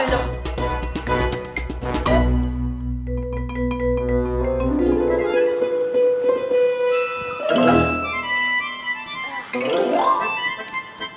ih itu salah